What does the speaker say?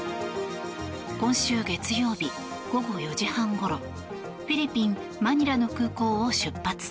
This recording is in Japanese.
今週月曜日、午後４時半ごろフィリピン・マニラの空港を出発。